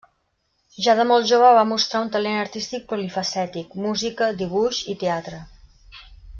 Ja de molt jove va mostrar un talent artístic polifacètic: música, dibuix i teatre.